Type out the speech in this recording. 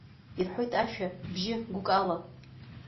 Ирҳәоит ашәа бжьы гәыкыла.